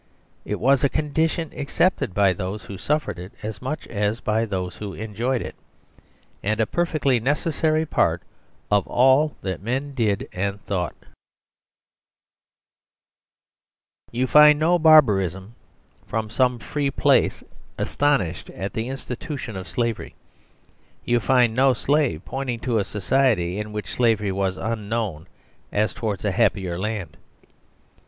It was a condition accepted by those who suf fered it as much as by those who enjoyed it, and a per fectly necessary part of all that men did and thought. 36 OUR SERVILE CIVILISATION You find no barbarian from some free place aston ished at the institution of Slavery ; you find no Slave pointing to a society in which Slavery was unknown as towards a happier land.